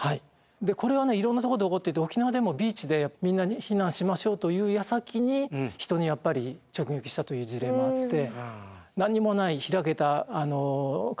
いろんなとこで起こってて沖縄でもビーチでみんなで避難しましょうというやさきに人にやっぱり直撃したという事例もあって。